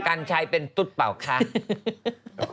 การใช้เป็นตุ๊กเปล่าค่ะ